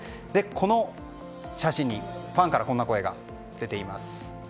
この写真にファンからこんな声が出ています。